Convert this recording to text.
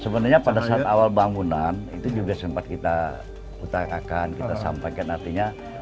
sebenarnya pada saat awal bangunan itu juga sempat kita utarakan kita sampaikan artinya